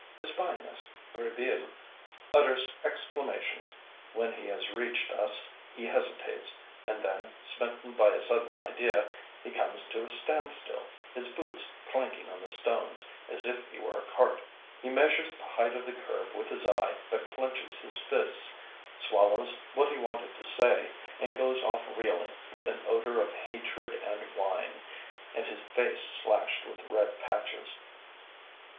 Espying us, Brisbille utters exclamations. When he has reached us he hesitates, and then, smitten by a sudden idea, he comes to a standstill, his boots clanking on the stones, as if he were a cart. He measures the height of the curb with his eye, but clenches his fists, swallows what he wanted to say, and goes off reeling, with an odor of hatred and wine, and his face slashed with red patches.